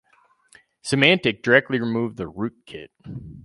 Symantec directly removed the rootkit.